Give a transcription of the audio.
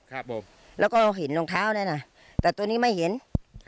ครับผมแล้วก็เห็นรองเท้านั่นน่ะแต่ตัวนี้ไม่เห็น